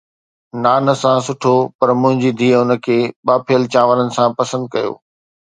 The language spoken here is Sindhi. نان سان سٺو پر منهنجي ڌيءَ ان کي ٻاڦيل چانورن سان پسند ڪيو